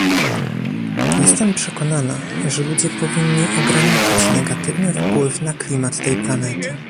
Jestem przekonana, że ludzie powinni ograniczyć negatywny wpływ na klimat tej planety